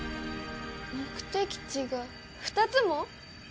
目的地が２つも？